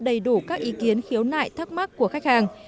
đầy đủ các ý kiến khiếu nại thắc mắc của khách hàng